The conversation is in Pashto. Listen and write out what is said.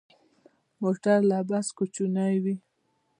موټر له بس کوچنی وي.